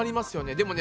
でもね